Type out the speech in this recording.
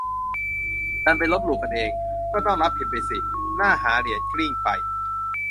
ดันไปลบหลู่กันเอง ก็ต้องรับผิดไปสินี่ น่าหาเหรียญกลิ้งไป